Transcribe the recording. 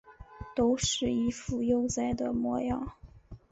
都是一副悠哉的模样